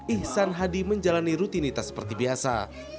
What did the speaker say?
ihsan hadi menjalani rutinitas seperti biasa